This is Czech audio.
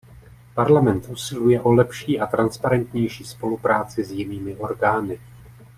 Parlament usiluje o lepší a transparentnější spolupráci s jinými orgány.